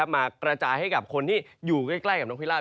มากระจายให้กับคนที่อยู่ใกล้กับนกพิราช